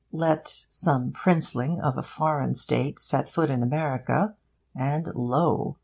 Let some princeling of a foreign State set foot in America, and lo!